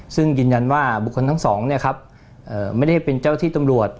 ซึ่งยืนยันว่าบุคคลทั้งสองเนี่ยครับไม่ได้เป็นเจ้าที่ตำรวจ